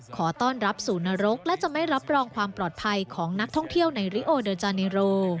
ขอต้อนรับสู่นรกและจะไม่รับรองความปลอดภัยของนักท่องเที่ยวในริโอเดอร์จาเนโร